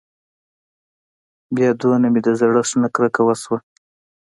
بيا دونه مې د زړښت نه کرکه وشوه.